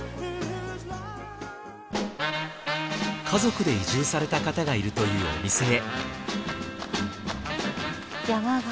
家族で移住された方がいるというお店へ。